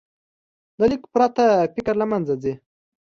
له لیک پرته، فکر له منځه ځي.